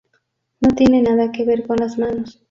No tiene nada que ver con las manos".